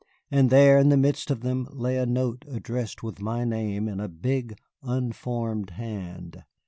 And there, in the midst of them, lay a note addressed with my name in a big, unformed hand.